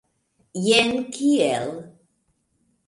Jen kiel.